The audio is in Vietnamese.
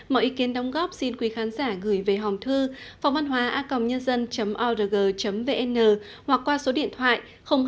mọi ý kiến đóng góp xin quý khán giả gửi về hòm thư phòngvănhoaacomnhân dân org vn hoặc qua số điện thoại hai trăm bốn mươi ba hai trăm sáu mươi sáu chín nghìn năm trăm linh tám